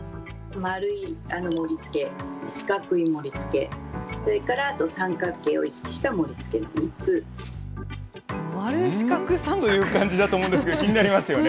丸い盛りつけ、四角い盛りつけ、それからあと三角形を意識した盛りつけ、３つ。という感じだと思うんですが、気になりますよね。